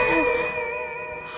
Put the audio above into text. aduh randy ketemu bakimnya